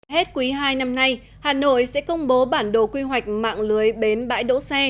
hết quý hai năm nay hà nội sẽ công bố bản đồ quy hoạch mạng lưới bến bãi đỗ xe